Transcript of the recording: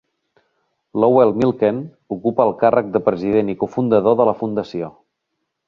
Lowell Milken ocupa el càrrec de president i cofundador de la fundació.